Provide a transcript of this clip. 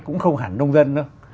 cũng không hẳn nông dân đâu